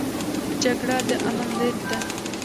جګړه د امن ضد ده